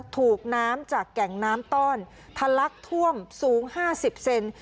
ถูกน้ำจากแก่งน้ำต้อนทะลักท่วมสูง๕๐เซน